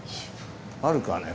あるかね？